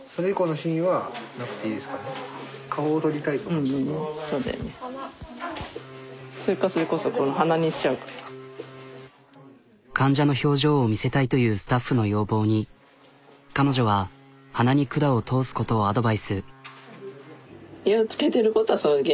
うんうんうんそれか患者の表情を見せたいというスタッフの要望に彼女は鼻に管を通すことをアドバイス。